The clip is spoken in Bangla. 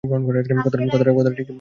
কথাটা ঠিকই বলেছ বলতে হচ্ছে।